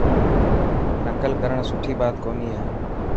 نڪل ڪرڻ سٺي بات ڪوني هي.